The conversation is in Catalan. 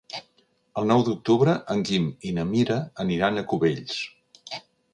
El nou d'octubre en Guim i na Mira aniran a Cubells.